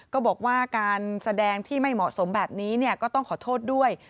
ก็บอกว่าการแสดงที่ไม่เหมาะสมแบบนี้ก็ต้องขอโทษด้วย